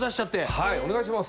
はいお願いします。